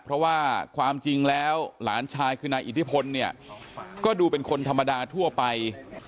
เพราะว่าความจริงแล้วหลานชายคือนายอิทธิพลเนี่ยก็ดูเป็นคนธรรมดาทั่วไป